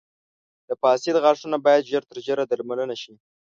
• فاسد غاښونه باید ژر تر ژره درملنه شي.